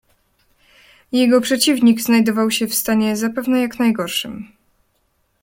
"Jego przeciwnik znajdował się w stanie, zapewne jak najgorszym."